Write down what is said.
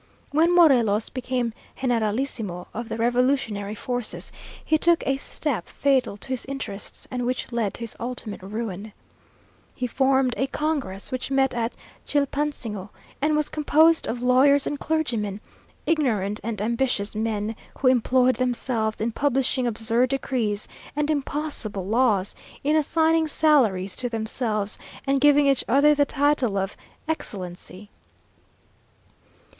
When Morelos became generalissimo of the revolutionary forces, he took a step fatal to his interests, and which led to his ultimate ruin. He formed a congress, which met at Chilpansingo, and was composed of lawyers and clergymen; ignorant and ambitious men, who employed themselves in publishing absurd decrees and impossible laws, in assigning salaries to themselves, and giving each other the title of Excellency.